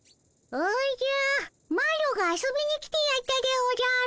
おじゃマロが遊びに来てやったでおじゃる。